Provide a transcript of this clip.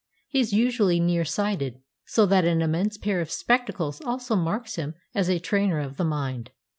He is usually near sighted, so that an immense pair of spectacles also marks him as a trainer of the mind.